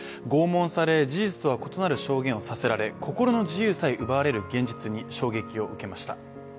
拷問され、事実とは異なる証言をさせられ、心の自由さえ奪われる現実に衝撃を受けました。